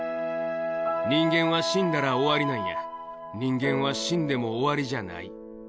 人間は死んだら終わりなんや、人間は死んでも終わりじゃない。